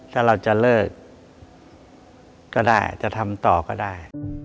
ถ้าเราจะเลิกก็ได้จะทำต่อก็ได้